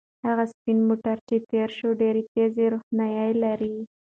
هغه سپین موټر چې تېر شو ډېرې تیزې روښنایۍ لرلې.